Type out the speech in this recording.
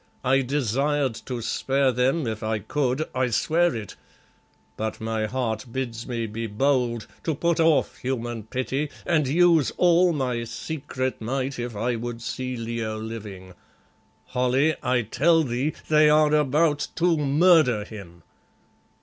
I desired to spare them if I could, I swear it, but my heart bids me be bold, to put off human pity, and use all my secret might if I would see Leo living. Holly, I tell thee they are about _to murder him!